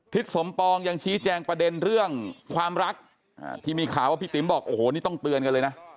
สมปองยังชี้แจงประเด็นเรื่องความรักที่มีข่าวว่าพี่ติ๋มบอกโอ้โหนี่ต้องเตือนกันเลยนะ